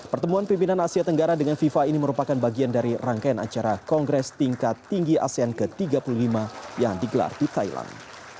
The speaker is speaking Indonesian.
pertemuan pimpinan asia tenggara dengan fifa ini merupakan bagian dari rangkaian acara kongres tingkat tinggi asean ke tiga puluh lima yang digelar di thailand